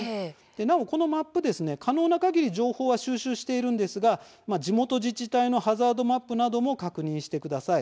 なお、このマップは可能なかぎり情報は収集していますが地元自治体のハザードマップなども確認してください。